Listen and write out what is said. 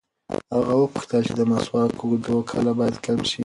هغه وپوښتل چې د مسواک اوږدو کله باید کم شي.